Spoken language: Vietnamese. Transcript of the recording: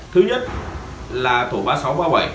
thứ nhất là tổ ba nghìn sáu trăm ba mươi bảy